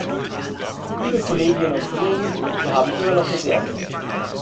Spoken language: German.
Liebe Kolleginnen und Kollegen, wir haben immer noch Reserven.